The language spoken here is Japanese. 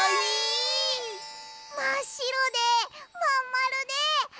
まっしろでまんまるであとあと！